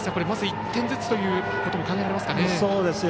まず１点ずつということも考えられますか？